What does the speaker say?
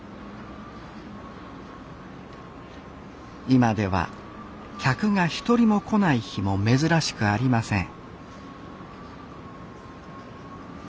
今では客が一人も来ない日も珍しくありません